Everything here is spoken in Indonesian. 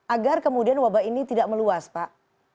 agar kemudian wabah ini tidak meluas pak